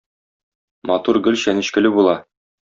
Матур гөл чәнечкеле була.